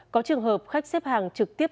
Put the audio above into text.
có trường hợp khách xếp hàng trực tiếp